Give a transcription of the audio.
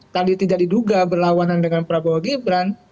tadi tidak diduga berlawanan dengan prabowo gibran